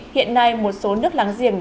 hiện nay một số nước láng giềng